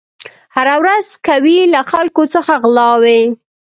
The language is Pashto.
هره ورځ کوي له خلکو څخه غلاوي